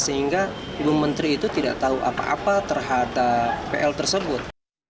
sehingga ibu menteri itu tidak tahu apa apa terhadap pl tersebut